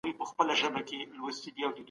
ټولنه د پوهو اشخاصو په واسطه جوړيږي.